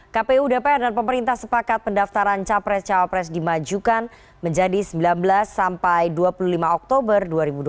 kpu dpr dan pemerintah sepakat pendaftaran capres cawapres dimajukan menjadi sembilan belas sampai dua puluh lima oktober dua ribu dua puluh